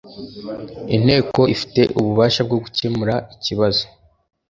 inteko ifite ububasha bwo gukemura ikibazo